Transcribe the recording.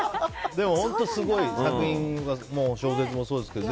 でも、本当にすごい作品、小説もそうですけど。